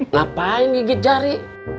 ngapain gigit jari